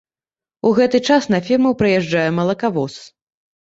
У гэты час на ферму прыязджае малакавоз.